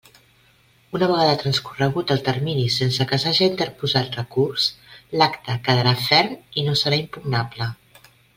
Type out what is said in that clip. Una vegada transcorregut el termini sense que s'haja interposat recurs, l'acte quedarà ferm i no serà impugnable.